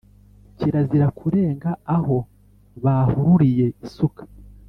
Kirazira kurenga aho baharuriye isuka,